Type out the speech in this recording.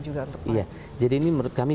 juga untuk iya jadi ini menurut kami